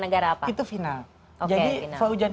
negara apa itu final jadi fauzan